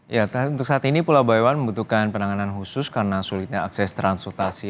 ya untuk saat ini pulau baiwan membutuhkan penanganan khusus karena sulitnya akses transportasi